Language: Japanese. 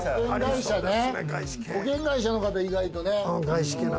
保険会社の方、意外とね。